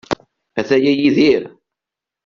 Ataya Yidir?